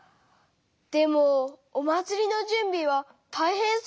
でもお祭りのじゅんびはたいへんそうだったね。